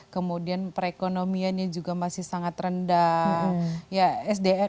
kemudian perekonomiannya juga masih sangat rendah